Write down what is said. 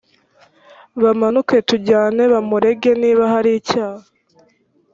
bamanuke tujyane bamurege niba hari icyaha